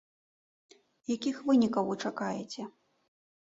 Якіх вынікаў вы чакаеце?